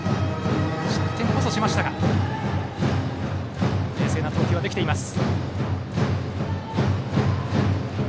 失点こそしましたが冷静な投球ができています。